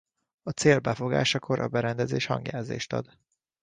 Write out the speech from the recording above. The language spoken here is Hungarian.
A cél befogásakor a berendezés hangjelzést ad.